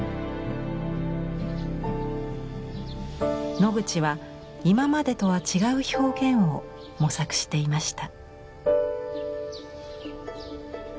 ノグチは今までとは違う表現を模索していました。